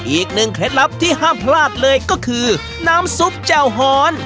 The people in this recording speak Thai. อีกหนึ่งเคล็ดลับที่ห้ามพลาดเลยก็คือน้ำซุปแจ้วฮอน